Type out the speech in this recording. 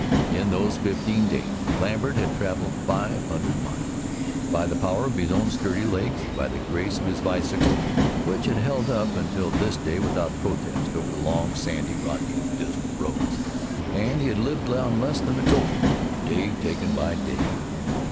In those fifteen days Lambert had traveled five hundred miles, by the power of his own sturdy legs, by the grace of his bicycle, which had held up until this day without protest over the long, sandy, rocky, dismal roads, and he had lived on less than a gopher, day taken by day.